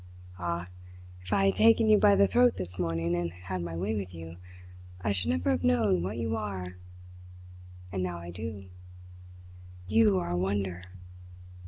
"Ah! If I had taken you by the throat this morning and had my way with you, I should never have known what you are. And now I do. You are a wonder!